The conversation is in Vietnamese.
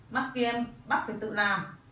mắt kia em bắt phải tự làm